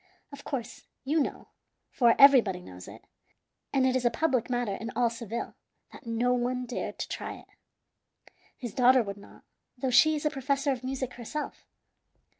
Of course, you know, for everybody knows it, and it is a public matter in all Seville, that no one dared to try it. His daughter would not, though she is a professor of music herself.